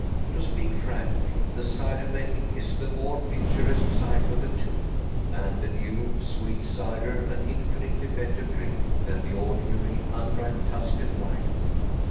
To speak frankly, the cider making is the more picturesque sight of the two, and the new, sweet cider an infinitely better drink than the ordinary, unripe Tuscan wine.